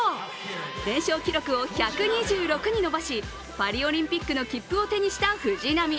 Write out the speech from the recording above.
連勝記録を１２６に伸ばしパリオリンピックの切符を手にした藤波。